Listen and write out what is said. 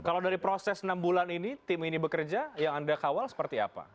kalau dari proses enam bulan ini tim ini bekerja yang anda kawal seperti apa